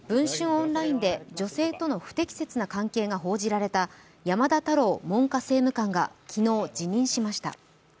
オンラインで女性との不適切な関係が報じられた山田太郎文科政務官が昨日、辞任しました。